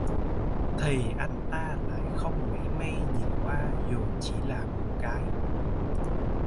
Thì anh ta lại không mảy may nhìn qua dù chỉ là một cái